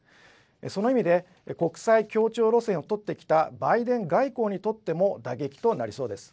その意味で、国際協調路線を取ってきたバイデン外交にとっても打撃となりそうです。